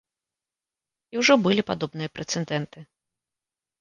І ўжо былі падобныя прэцэдэнты.